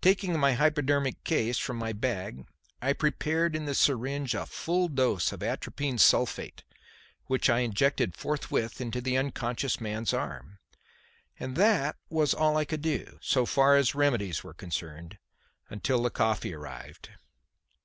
Taking my hypodermic case from my bag, I prepared in the syringe a full dose of atropine sulphate, which I injected forthwith into the unconscious man's arm. And that was all that I could do, so far as remedies were concerned, until the coffee arrived.